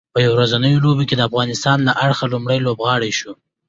په یو ورځنیو لوبو کې د افغانستان له اړخه لومړی لوبغاړی شو